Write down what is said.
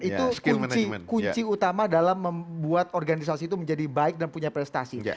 itu kunci utama dalam membuat organisasi itu menjadi baik dan punya prestasi